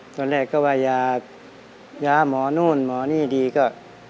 ตอนแรกก็ว่ายายาหมอนู่นหมอนี่ดีก็